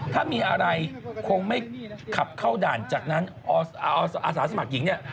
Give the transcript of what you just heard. ถ้ามีอะไรคงไม่ขับเข้าด่านจากนั้นอาสาสมัครหญิงเนี่ย